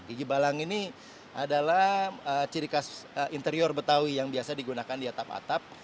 gigi balang ini adalah ciri khas interior betawi yang biasa digunakan di atap atap